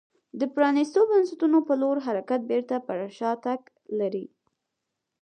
د پرانیستو بنسټونو په لور حرکت بېرته پر شا تګ لري.